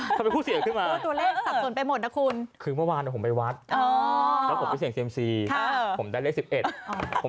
ทำไมคู่เสียขึ้นมาคุณตัวเลขสับสนไปหมดนะคุณ